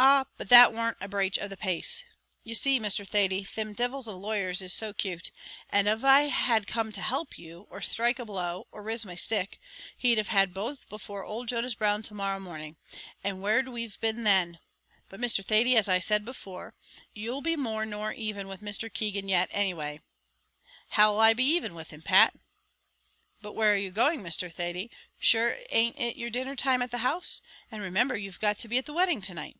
"Ah! but that warn't a braich of the pace. You see, Mr. Thady, thim divils of lawyers is so cute; and av I had come to help you, or sthrike a blow, or riz my stick, he'd have had both before old Jonas Brown to morrow morning; and where'd we've been then? But, Mr. Thady, as I said before, you'll be more nor even with Mr. Keegan yet, any way." "How'll I be even with him, Pat?" "But where are you going, Mr. Thady? shure an't it your dinner time at the house? and remimber you've to be at the wedding to night."